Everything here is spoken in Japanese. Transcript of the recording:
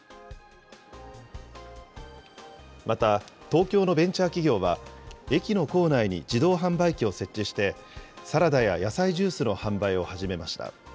また、東京のベンチャー企業は、駅の構内に自動販売機を設置して、サラダや野菜ジュースの販売を始めました。